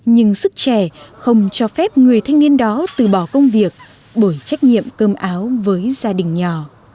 nhưng sức trẻ không cho phép người thanh niên đó từ bỏ công việc bởi trách nhiệm cơm áo với gia đình nhỏ